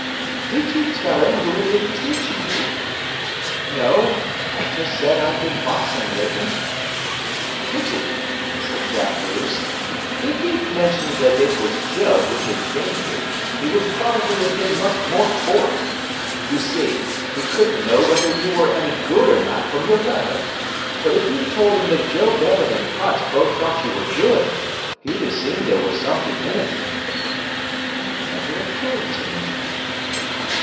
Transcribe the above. "Did you tell him who had been teaching you?" "No. I just said I'd been boxing lately." "Pity," said Jack Bruce. "If you'd mentioned that it was Joe who'd been training you, he would probably have been much more for it. You see, he couldn't know whether you were any good or not from your letter. But if you'd told him that Joe Bevan and Hunt both thought you good, he'd have seen there was something in it." "It never occurred to me.